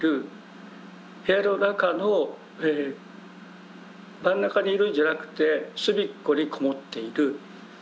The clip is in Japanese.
部屋の中の真ん中にいるんじゃなくて隅っこに籠もっている。